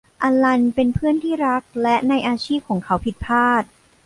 อัลลันเป็นเพื่อนที่รักและในอาชีพของเขาผิดพลาด